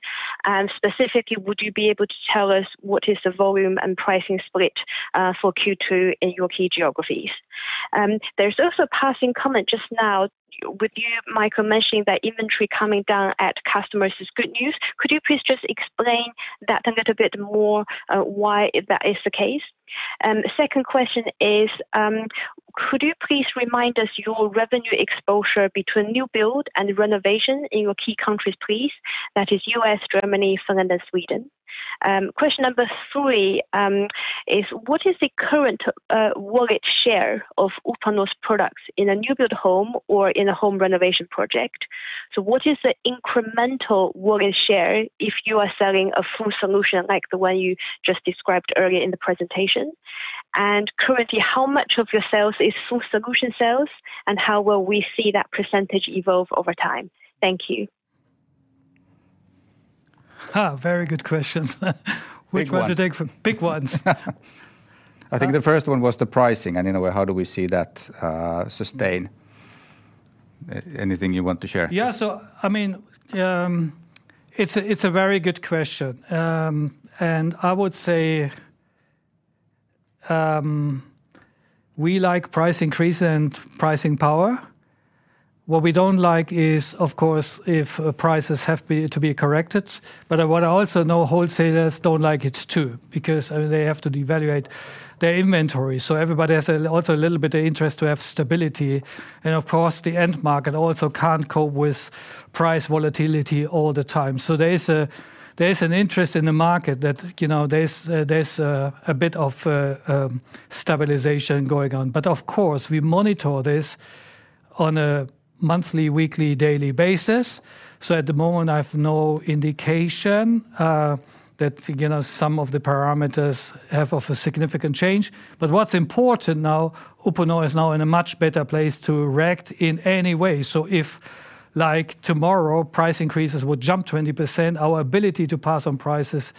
Speaker 7: Specifically, would you be able to tell us what is the volume and pricing split for Q2 in your key geographies? There's also a passing comment just now with you, Michael, mentioning that inventory coming down at customers is good news. Could you please just explain that a little bit more, why that is the case? Second question is, could you please remind us your revenue exposure between new build and renovation in your key countries, please? That is US, Germany, Finland, and Sweden. Question number three is what is the current, wallet share of Uponor's products in a new build home or in a home renovation project? So what is the incremental wallet share if you are selling a full solution like the one you just described earlier in the presentation? And currently, how much of your sales is full solution sales, and how will we see that percentage evolve over time? Thank you.
Speaker 2: Very good questions.
Speaker 3: Big ones.
Speaker 2: Which one to take from big ones.
Speaker 3: I think the first one was the pricing, and in a way, how do we see that sustain? Anything you want to share?
Speaker 2: Yeah, I mean, it's a very good question. I would say we like price increase and pricing power. What we don't like is, of course, if prices have to be corrected. What I also know wholesalers don't like it too because, I mean, they have to devalue their inventory. Everybody has also a little bit of interest to have stability. Of course, the end market also can't cope with price volatility all the time. There is an interest in the market that, you know, there's a bit of stabilization going on. Of course, we monitor this on a monthly, weekly, daily basis. At the moment, I have no indication that, you know, some of the parameters have a significant change. What's important now, Uponor is now in a much better place to react in any way. If, like tomorrow, price increases would jump 20%, our ability to pass on prices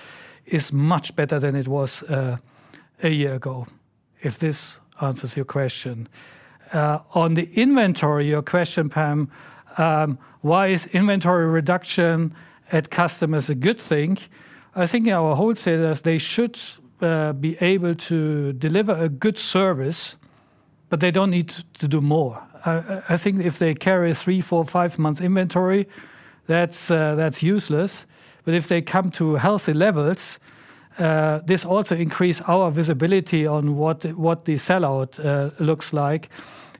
Speaker 2: is much better than it was a year ago, if this answers your question. On the inventory, your question, Pam, why is inventory reduction at customers a good thing? I think our wholesalers they should be able to deliver a good service, but they don't need to do more. I think if they carry three, four, five months inventory, that's useless. If they come to healthy levels, this also increase our visibility on what the sell-out looks like.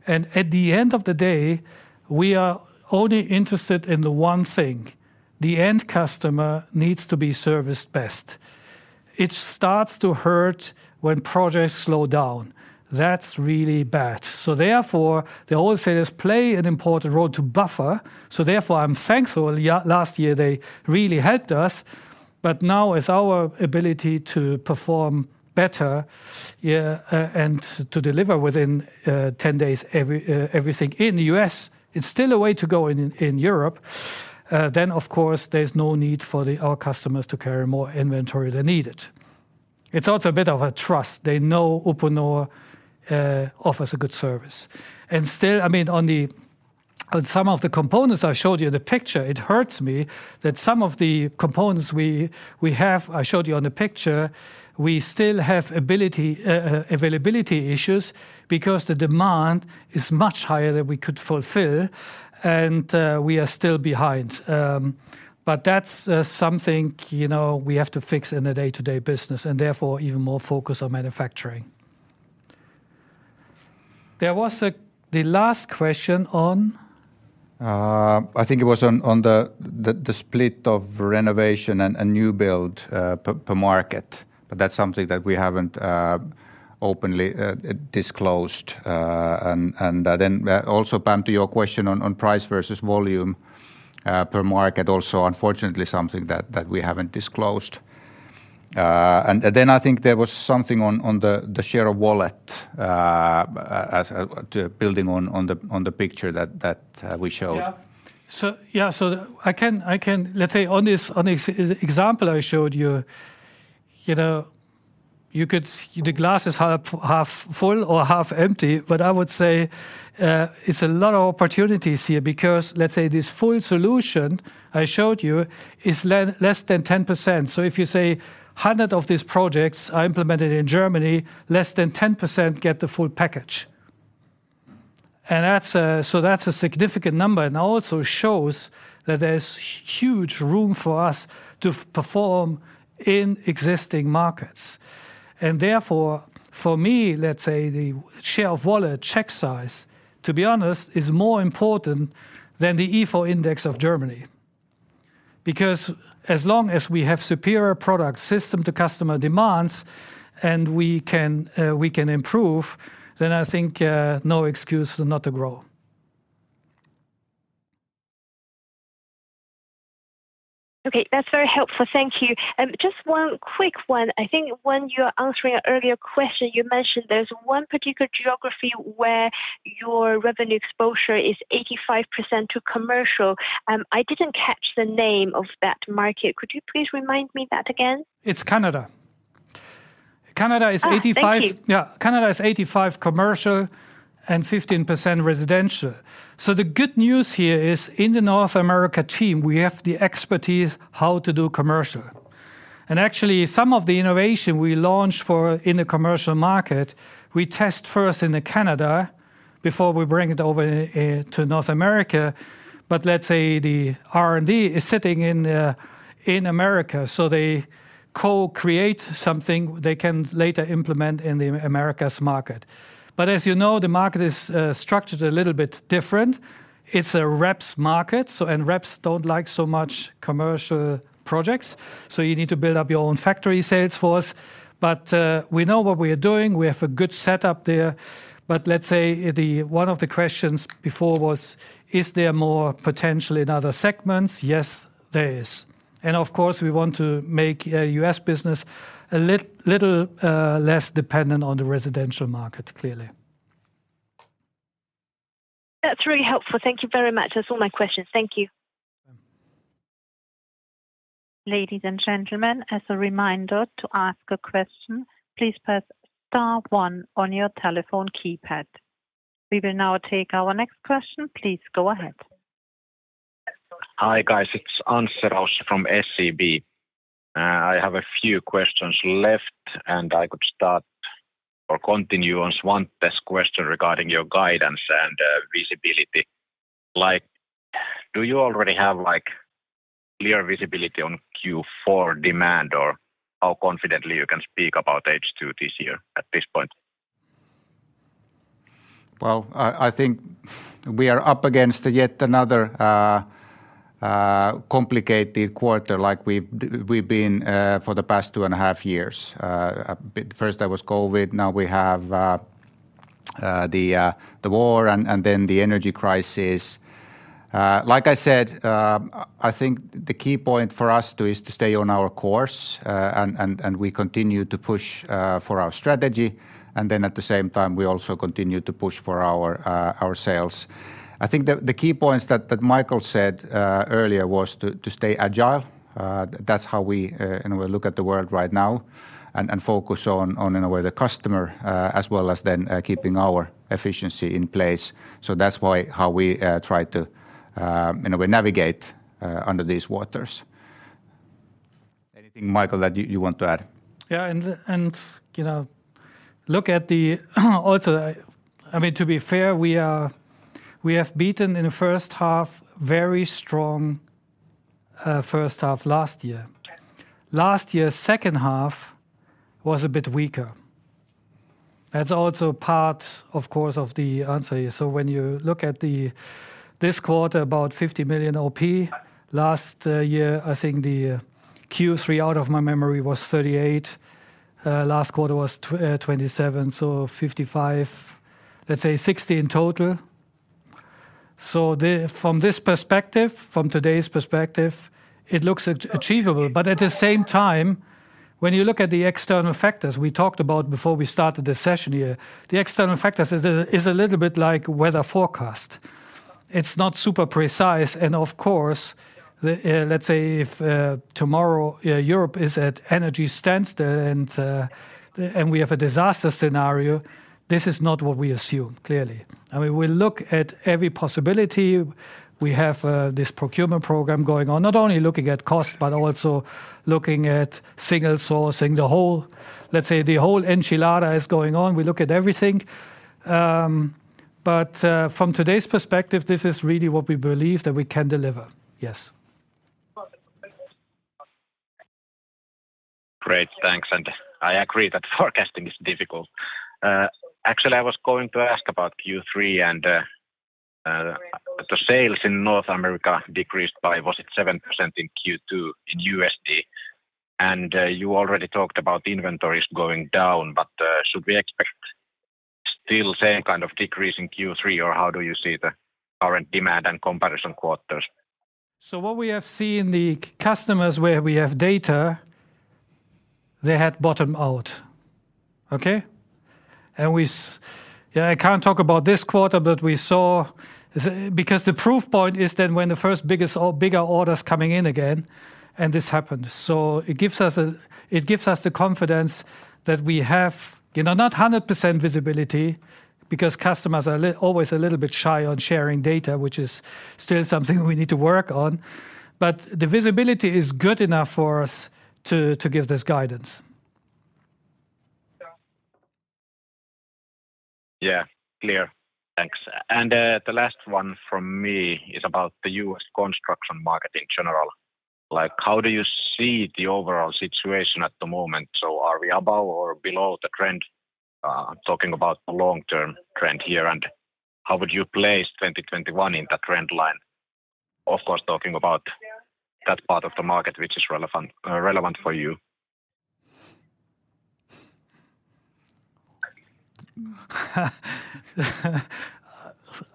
Speaker 2: At the end of the day, we are only interested in the one thing, the end customer needs to be serviced best. It starts to hurt when projects slow down. That's really bad. Therefore, the wholesalers play an important role to buffer. Therefore, I'm thankful that last year, they really helped us. Now it's our ability to perform better and to deliver within 10 days everything in the US. It's still a way to go in Europe. Of course, there's no need for our customers to carry more inventory than needed. It's also a bit of a trust. They know Uponor offers a good service. Still, I mean, on some of the components I showed you in the picture, it hurts me that some of the components we have, I showed you on the picture, we still have availability issues because the demand is much higher than we could fulfill, and we are still behind. That's something, you know, we have to fix in the day-to-day business, and therefore even more focus on manufacturing. There was the last question on.
Speaker 3: I think it was on the split of renovation and new build per market. That's something that we haven't openly disclosed. Also Pam, to your question on price versus volume per market also unfortunately something that we haven't disclosed. I think there was something on the share of wallet as to building on the picture that we showed.
Speaker 2: I can. Let's say on this example I showed you know, you could, the glass is half full or half empty. I would say, it's a lot of opportunities here because let's say this full solution I showed you is less than 10%. If you say 100 of these projects are implemented in Germany, less than 10% get the full package. That's a significant number and also shows that there's huge room for us to perform in existing markets. Therefore, for me, let's say the share of wallet check size, to be honest, is more important than the Ifo index of Germany. Because as long as we have superior product system to customer demands and we can improve, then I think, no excuse not to grow.
Speaker 7: Okay, that's very helpful, thank you. Just one quick one. I think when you were answering an earlier question, you mentioned there's one particular geography where your revenue exposure is 85% to commercial. I didn't catch the name of that market. Could you please remind me that again?
Speaker 2: It's Canada. Canada is 85-
Speaker 7: Thank you.
Speaker 2: Yeah. Canada is 85 commercial and 15% residential. The good news here is in the North America team, we have the expertise how to do commercial. Actually, some of the innovation we launch for in the commercial market, we test first in Canada before we bring it over to North America, but let's say the R&D is sitting in America, so they co-create something they can later implement in the Americas market. As you know, the market is structured a little bit different. It's a reps market, so, and reps don't like so much commercial projects, so you need to build up your own factory sales force. We know what we are doing. We have a good setup there. Let's say one of the questions before was, "Is there more potential in other segments?" Yes, there is. Of course, we want to make U.S. business a little less dependent on the residential market, clearly.
Speaker 7: That's really helpful. Thank you very much. That's all my questions. Thank you.
Speaker 4: Ladies and gentlemen, as a reminder, to ask a question, please press star one on your telephone keypad. We will now take our next question. Please go ahead.
Speaker 8: Hi, guys. It's Anssi Rantala from SEB. I have a few questions left, and I could start or continue on Svante Krokfors' question regarding your guidance and visibility. Like, do you already have, like, clear visibility on Q4 demand, or how confidently you can speak about H2 this year at this point?
Speaker 3: Well, I think we are up against yet another complicated quarter like we've been for the past two and a half years. First there was COVID, now we have the war and then the energy crisis. Like I said, I think the key point for us is to stay on our course and we continue to push for our strategy. At the same time, we also continue to push for our sales. I think the key points that Michael said earlier was to stay agile. That's how we in a way look at the world right now and focus on in a way the customer as well as then keeping our efficiency in place. That's why, how we try to, in a way, navigate under these waters. Anything, Michael, that you want to add?
Speaker 2: You know, look at that also, I mean, to be fair, we have beaten in the first half very strong first half last year. Last year's second half was a bit weaker. That's also part, of course, of the answer. When you look at this quarter, about 50 million OP. Last year, I think the Q3 out of my memory was 38 million, last quarter was 27 million, so 55, let's say 60 in total. From this perspective, from today's perspective, it looks achievable. But at the same time, when you look at the external factors we talked about before we started the session here, the external factors is a little bit like weather forecast. It's not super precise. Of course, let's say if tomorrow Europe is at energy standstill and we have a disaster scenario, this is not what we assume, clearly. I mean, we look at every possibility. We have this procurement program going on, not only looking at cost, but also looking at single sourcing. The whole, let's say, the whole enchilada is going on. We look at everything. From today's perspective, this is really what we believe that we can deliver. Yes.
Speaker 8: Great. Thanks. I agree that forecasting is difficult. Actually, I was going to ask about Q3 and the sales in North America decreased by, was it 7% in Q2 in USD? You already talked about inventories going down, but should we expect still same kind of decrease in Q3, or how do you see the current demand and comparison quarters?
Speaker 2: What we have seen, the customers where we have data, they had bottomed out. Okay? Yeah, I can't talk about this quarter, but we saw because the proof point is then when the first biggest or bigger order's coming in again, and this happened. It gives us the confidence that we have, you know, not 100% visibility because customers are always a little bit shy on sharing data, which is still something we need to work on. But the visibility is good enough for us to give this guidance.
Speaker 8: Yeah. Clear. Thanks. The last one from me is about the US construction market in general. Like, how do you see the overall situation at the moment? Are we above or below the trend? I'm talking about the long-term trend here. How would you place 2021 in the trend line? Of course, talking about that part of the market which is relevant for you.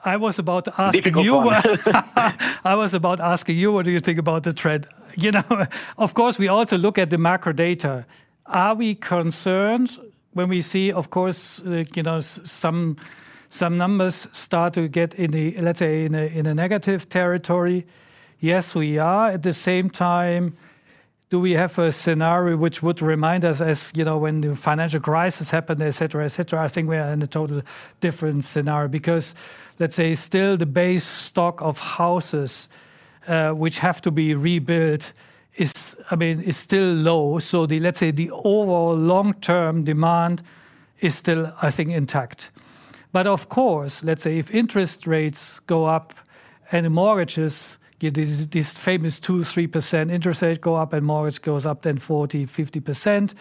Speaker 2: I was about to ask you.
Speaker 8: Difficult one.
Speaker 2: I was about to ask you what do you think about the trend, you know? Of course, we also look at the macro data. Are we concerned when we see, of course, you know, some numbers start to get in a, let's say, negative territory? Yes, we are. At the same time, do we have a scenario which would remind us as, you know, when the financial crisis happened, et cetera, et cetera? I think we are in a totally different scenario because, let's say, still the base stock of houses which have to be rebuilt is, I mean, is still low. The, let's say, the overall long-term demand is still, I think, intact. Of course, let's say if interest rates go up and the mortgages get this famous 2-3% interest rate go up and mortgage goes up then 40-50%,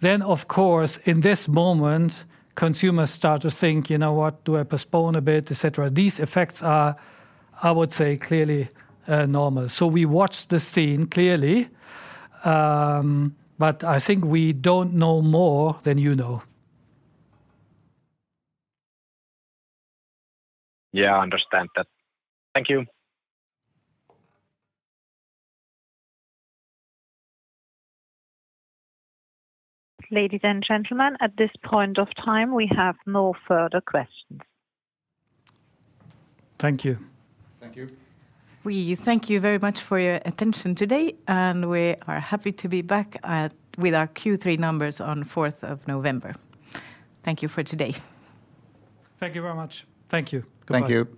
Speaker 2: then of course in this moment, consumers start to think, "You know what? Do I postpone a bit?" Et cetera. These effects are, I would say, clearly, normal. We watch the scene, clearly, but I think we don't know more than you know.
Speaker 8: Yeah, I understand that. Thank you.
Speaker 4: Ladies and gentlemen, at this point of time, we have no further questions.
Speaker 2: Thank you.
Speaker 3: Thank you.
Speaker 1: We thank you very much for your attention today, and we are happy to be back at, with our Q3 numbers on 4th of November. Thank you for today.
Speaker 2: Thank you very much. Thank you. Goodbye.
Speaker 3: Thank you.